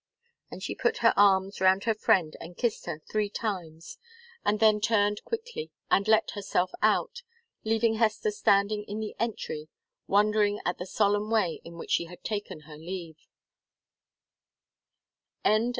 She put her arms round her friend and kissed her three times, and then turned quickly and let herself out, leaving Hester standing in the entry, wondering at the solemn way in which she had taken leave of her.